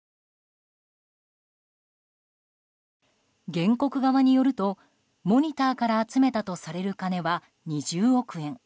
原告側によるとモニターから集めたとされる金は２０億円。